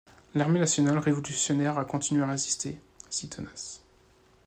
L'Armée nationale révolutionnaire a continué à résister si tenace.